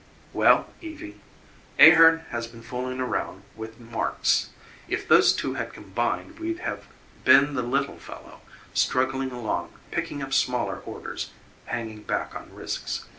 "Well, Evie, Ahearn has been fooling around with Marx. If those two had combined we'd have been the little fellow, struggling along, picking up smaller orders, hanging back on risks.